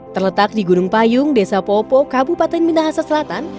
terletak di gunung payung desa popo kabupaten minahasa selatan